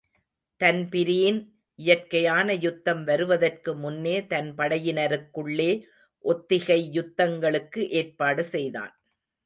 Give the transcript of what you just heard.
தன்பிரீன் இயற்கையான யுத்தம் வருவதற்கு முன்னே தன்படையினருக்குள்ளே ஒத்திகை யுத்தங்களுக்கு ஏற்பாடு செய்தான்.